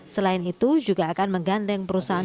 selain itu juga akan menggandeng perusahaan